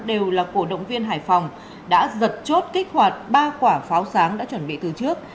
đều là cổ động viên hải phòng đã giật chốt kích hoạt ba quả pháo sáng đã chuẩn bị từ trước